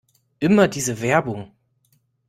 Immer diese Werbung!